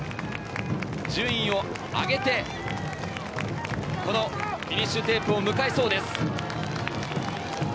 順位をあげてフィニッシュテープを迎えそうです。